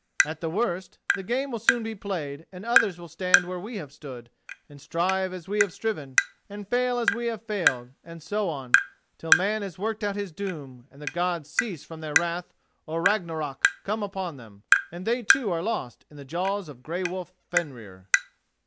At the worst, the game will soon be played, and others will stand where we have stood, and strive as we have striven, and fail as we have failed, and so on, till man has worked out his doom, and the Gods cease from their wrath, or Ragnarrök come upon them, and they too are lost in the jaws of grey wolf Fenrir."